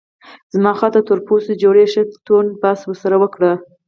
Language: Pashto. زما خواته تور پوستي جوړې ښه توند بحث ورسره وکړ.